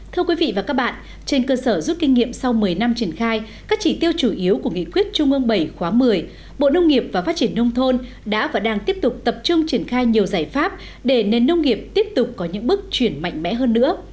thưa quý vị và các bạn trên cơ sở rút kinh nghiệm sau một mươi năm triển khai các chỉ tiêu chủ yếu của nghị quyết trung ương bảy khóa một mươi bộ nông nghiệp và phát triển nông thôn đã và đang tiếp tục tập trung triển khai nhiều giải pháp để nền nông nghiệp tiếp tục có những bước chuyển mạnh mẽ hơn nữa